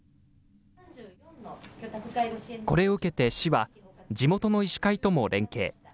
これを受けて市は、地元の医師会とも連携。